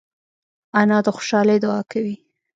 انا د خوشحالۍ دعا کوي